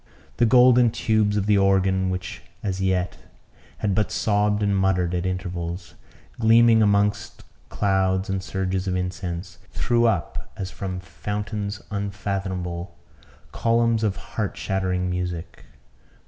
The golden tubes of the organ, which as yet had but sobbed and muttered at intervals gleaming amongst clouds and surges of incense threw up, as from fountains unfathomable, columns of heart shattering music.